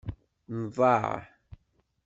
Nḍaɛ.